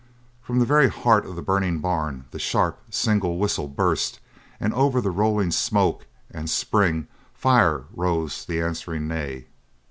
From the very heart of the burning barn the sharp single whistle burst and over the rolling smoke and spring fire rose the answering neigh.